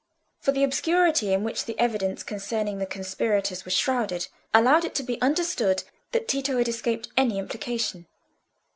For the obscurity in which the evidence concerning the conspirators was shrouded allowed it to be understood that Tito had escaped any implication.